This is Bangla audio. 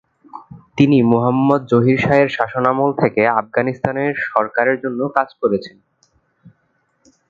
তিনি মোহাম্মদ জহির শাহের শাসনামল থেকে আফগানিস্তানের সরকারের জন্য কাজ করেছেন।